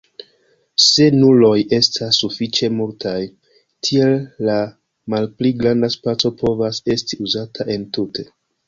Se nuloj estas sufiĉe multaj, tiel la malpli granda spaco povas esti uzata entute.